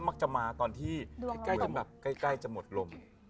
มักจะมาตอนที่ใกล้จะหมดลม